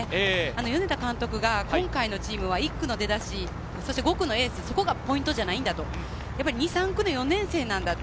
米田監督が今回のチームは１区の出だし、５区のエースがポイントじゃない、２３区の４年生なんだ。